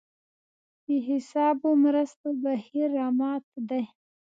بې حسابو مرستو بهیر رامات دی.